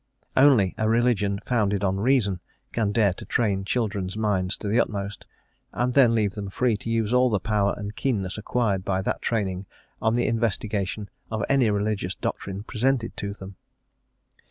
Only a religion founded on reason can dare to train children's minds to the utmost, and then leave them free to use all the power and keenness acquired by that training on the investigation of any religious doctrine presented to them.